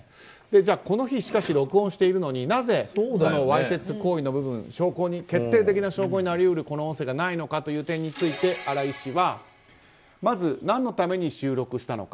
この日、録音しているのにわいせつ行為の部分決定的な証拠になり得るこの音声がないのかという点について新井氏はまず何のために収録したのか。